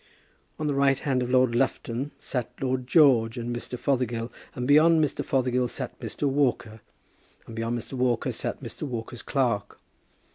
On the right hand of Lord Lufton sat Lord George and Mr. Fothergill, and beyond Mr. Fothergill sat Mr. Walker, and beyond Mr. Walker sat Mr. Walker's clerk.